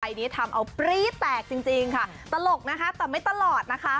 นี้ทำเอาปรี๊แตกจริงจริงค่ะตลกนะคะแต่ไม่ตลอดนะคะ